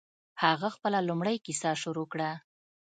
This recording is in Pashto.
هغه خپله لومړۍ کیسه شروع کړه.